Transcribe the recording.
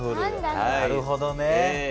なるほどね。